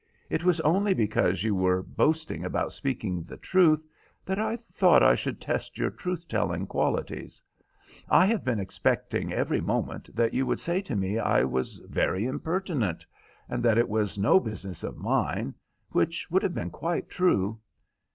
It was only because you were boasting about speaking the truth that I thought I should test your truth telling qualities. I have been expecting every moment that you would say to me I was very impertinent, and that it was no business of mine, which would have been quite true.